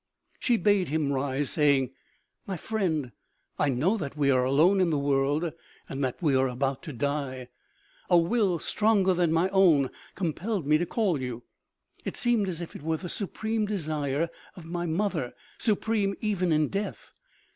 She bade him rise, saying :" My friend, I know that we are alone in the world, and that we are about to die. A will stronger than my own compelled me to call you. It seemed as if it were the supreme desire of my mother, supreme even in death.